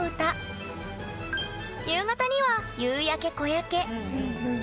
夕方には「夕焼け小焼け」。